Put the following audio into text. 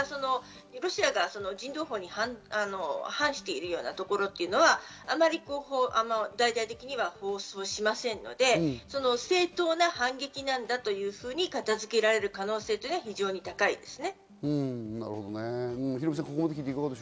ロシアの国営放送はそういった、ロシアが人道法に反しているようなところはあんまり大々的には放送しませんので、正当な反撃なんだというふうに片付けられる可能性が非常に高いです。